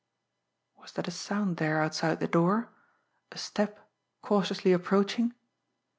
Was that a sound there outside the door? A step cautiously approaching?